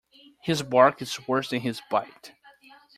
His bark is worse than his bite.